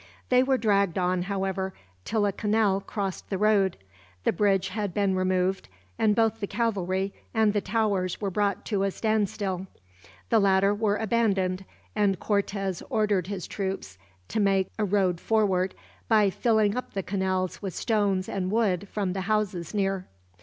They were dragged on, however, until a canal crossed the road. The bridge had been removed, and both the cavalry and the towers were brought to a standstill. The latter were abandoned, and Cortez ordered his troops to make a road forward, by filling up the canal with stones and wood from the houses near.